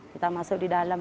kita masuk di dalam